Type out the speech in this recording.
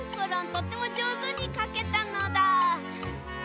とってもじょうずにかけたのだ。はなまる。